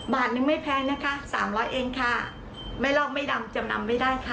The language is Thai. บาทนึงไม่แพงนะคะสามร้อยเองค่ะไม่ลอกไม่ดำจำนำไม่ได้ค่ะ